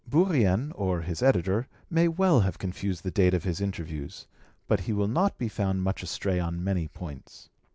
Bourrienne, or his editor, may well have confused the date of his interviews, but he will not be found much astray on many points.